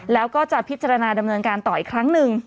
แล้วก็จะพิจารณาดำเนินการต่ออีกครั้งหนึ่ง